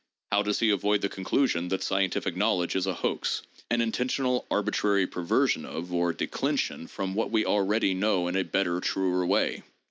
How does he avoid the conclusion that scientific knowledge is a hoax, an intentional arbitrary perversion of or declension from what we already know in a better, truer way?